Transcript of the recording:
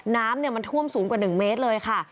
น้ำมันท่วมสูงกว่า๑เมตรเลยค่ะ